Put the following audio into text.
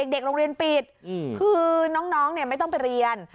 เด็กโรงเรียนปิดคือน้องไม่ต้องไปเรียน